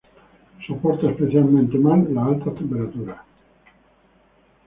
Soporta especialmente mal las altas temperaturas.